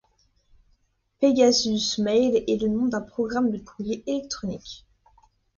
Pegasus Mail est le nom d'un programme de courrier électronique.